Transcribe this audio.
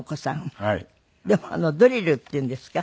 でもドリルっていうんですか。